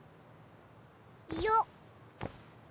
よっ。